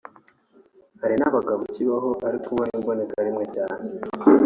hari n’abagabo kibaho ariko byo ni imbonekarimwe cyane